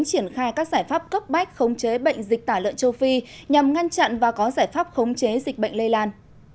triển khai các giải pháp cấp bách khống chế bệnh dịch tả lợn châu phi nhằm ngăn chặn và có giải pháp khống chế dịch bệnh lây lan